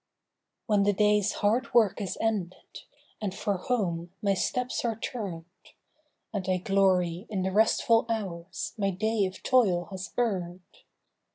HEN the day's hard work is ended, and for home my steps are turned. And I glory in the rest¬ ful hours my day of toil has earned.